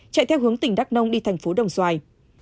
chạy theo hướng tỉnh đắk nông đi thành phố đồng xoài